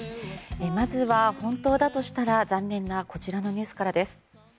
まずは、本当だとしたら残念なこちらのニュースからです。